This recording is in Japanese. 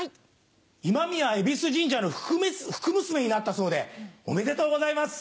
今宮戎神社の福むすめになったそうでおめでとうございます。